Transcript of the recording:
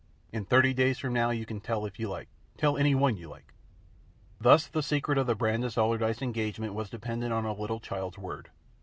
In thirty days from now you can tell if you like tell any one you like." Thus the secret of the Brandis Allardyce engagement was dependent on a little child's word.